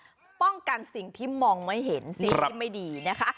เพื่อป้องกันสิ่งที่มองไม่เห็นสิ่งที่ไม่ดีนะคะ